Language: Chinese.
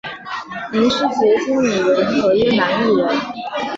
林师杰经理人合约男艺员。